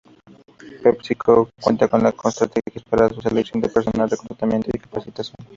PepsiCo cuenta con estrategias para su selección de personal, reclutamiento y capacitación.